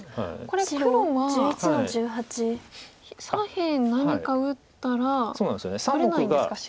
これ黒は左辺何か打ったら取れないんですか白。